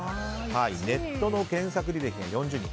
ネットの検索履歴が４０人